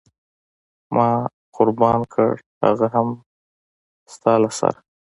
ما قربان کړ هغه هم د ستا له سره.